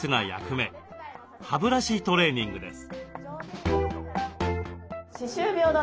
歯ブラシトレーニングです。